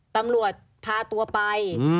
ตำรวจพาตัวไป